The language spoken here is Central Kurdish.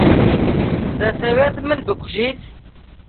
دەتەوێت من بکوژیت؟